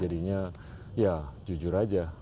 jadinya ya jujur aja